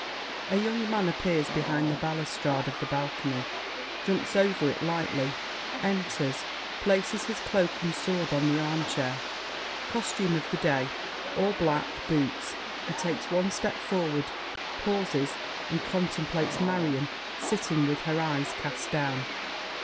[A young man appears behind the balustrade of the balcony, jumps over it lightly, enters, places his cloak and sword on the armchair. Costume of the day: all black: boots. He takes one step forward, pauses and contemplates Marion, sitting with her eyes cast down.